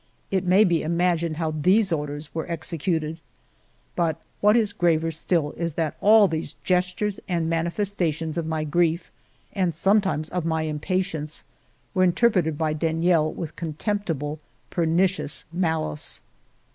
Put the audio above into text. It may be imagined how these orders were executed ! But what is graver still is that all these gestures and mani festations of my grief and sometimes of my impatience were interpreted by Deniel with con temptible, pernicious malice.